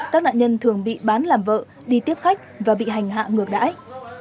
các nạn nhân thường bị bán làm vợ đi tiếp khách và bị hành hạ ngược đãi